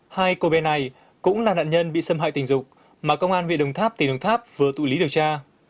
hai cô bé này cũng là nạn nhân bị xâm hại tình dục mà công an huyện đồng tháp tỉnh đồng tháp vừa tụ lý điều tra